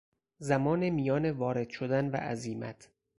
زمان میان وارد شدن و عزیمت